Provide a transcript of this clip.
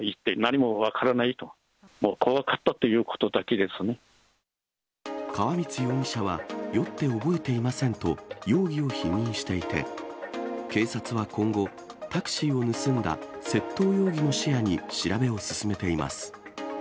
もう怖かったということだけです川満容疑者は酔って覚えていませんと、容疑を否認していて、警察は今後、タクシーを盗んだ窃盗容疑も視野に調べを進めています。